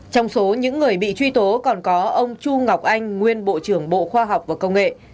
trong số những người bị truy tố còn có ông chu ngọc anh nguyên bộ trưởng bộ khoa học và công nghệ